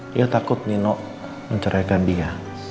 dia takut nino menceraikan dia